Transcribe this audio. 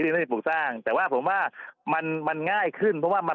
ไม่ได้ปลูกสร้างแต่ว่าผมว่ามันมันง่ายขึ้นเพราะว่ามัน